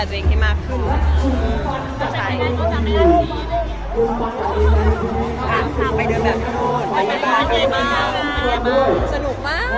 ค่ะไปเดินแบบชั่วโทษ